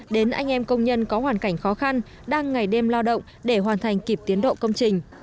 đến anh em công nhân có hoàn cảnh khó khăn đang ngày đêm lo động để hoàn thành kịp tiến độ công trình